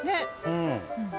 うん。